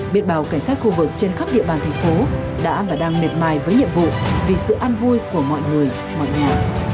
biệt bào cảnh sát khu vực trên khắp địa bàn thành phố đã và đang nệt mài với nhiệm vụ vì sự ăn vui của mọi người mọi nhà